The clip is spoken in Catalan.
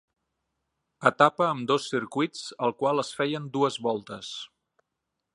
Etapa amb dos circuits al qual es feien dues voltes.